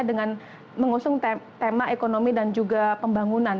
dengan mengusung tema ekonomi dan juga pembangunan